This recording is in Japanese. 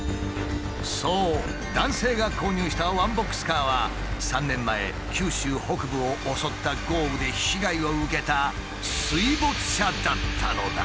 そう男性が購入したワンボックスカーは３年前九州北部を襲った豪雨で被害を受けた水没車だったのだ。